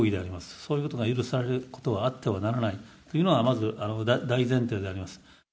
そういうことが許されることはあってはならないというのは、まず大前提であります。